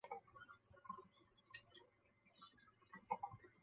小胸鳍蛇鲻为狗母鱼科蛇鲻属的鱼类。